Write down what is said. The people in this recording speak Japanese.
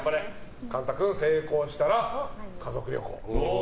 貫汰君、成功したら家族旅行。